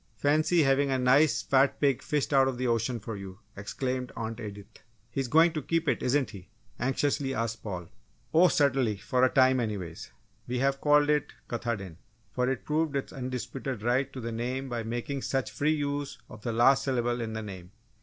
Fancy, having a nice fat pig fished out of the ocean for you!" exclaimed Aunt Edith. "He's going to keep it, isn't he?" anxiously asked Paul. "Oh, certainly for a time, anyway. We have called it Katahdin, for it proved its undisputed right to the name by making such free use of the last syllable in the name!"